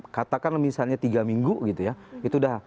katakanlah misalnya tiga minggu gitu ya